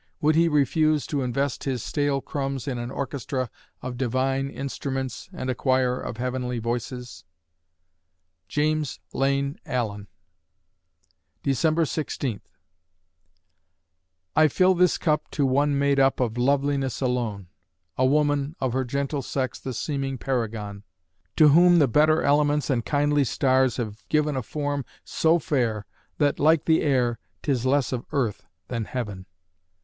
Would he refuse to invest his stale crumbs in an orchestra of divine instruments and a choir of heavenly voices? JAMES LANE ALLEN December Sixteenth I fill this cup to one made up Of loveliness alone, A woman, of her gentle sex The seeming paragon; To whom the better elements And kindly stars have given A form so fair, that, like the air, 'Tis less of earth than heaven.